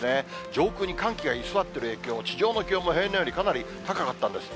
上空に寒気が居座っている影響、地上の気温も平年よりかなり高かったんです。